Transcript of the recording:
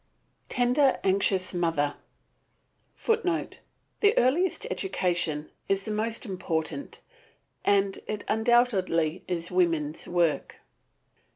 Tender, anxious mother, [Footnote: The earliest education is most important and it undoubtedly is woman's work.